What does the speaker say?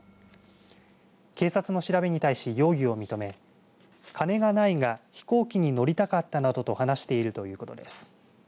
警察の調べに対し容疑を認め金がないが飛行機に乗りたかったなどと話しているということです。